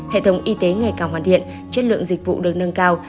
hệ thống y tế ngày càng hoàn thiện chất lượng dịch vụ được nâng cao